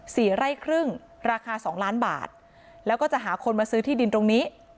สี่ไร่ครึ่งราคาสองล้านบาทแล้วก็จะหาคนมาซื้อที่ดินตรงนี้